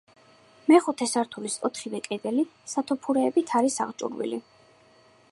მეხუთე სართულის ოთხივე კედელი სათოფურებით არის აღჭურვილი.